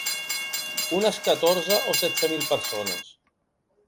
Unes catorze o setze mil persones.